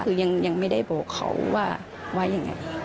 คือยังไม่ได้บอกเขาว่าไว้อย่างไร